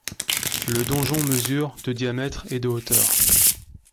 Le donjon mesure de diamètre et de hauteur.